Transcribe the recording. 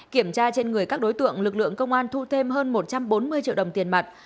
kiểm tra trên người các đối tượng lực lượng công an thu thêm hơn một trăm bốn mươi triệu đồng tiền mặt